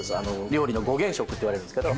料理の５原色っていわれるんですけど。